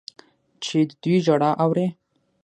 چې د دوی ژړا اوري.